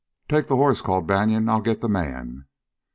"Take the horse!" called Banion. "I'll get the man!"